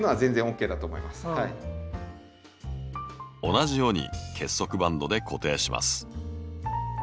同じように結束バンドで固定します。